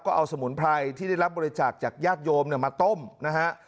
ก็เอาสมุนไพรที่ได้รับบริจาคจากญาติโยมมาต้มนะฮะ